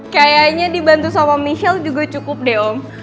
kayaknya dibantu sama michelle juga cukup deh om